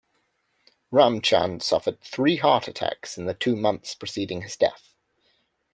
Ramchand suffered three heart attacks in the two months preceding his death.